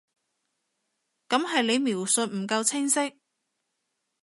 噉係你描述唔夠清晰